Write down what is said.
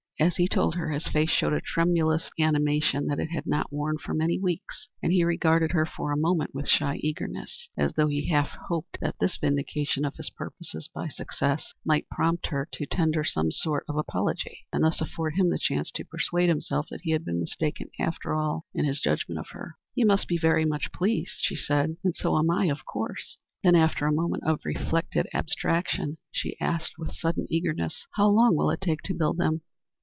As he told her his face showed a tremulous animation which it had not worn for many weeks, and he regarded her for a moment with shy eagerness, as though he half hoped that this vindication of his purposes by success might prompt her to tender some sort of apology, and thus afford him the chance to persuade himself that he had been mistaken after all in his judgment of her. "You must be very much pleased," she said. "And so am I, of course." Then, after a moment of reflective abstraction, she asked with sudden eagerness, "How long will it take to build them?"